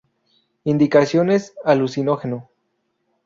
Indicaciones: Alucinógeno.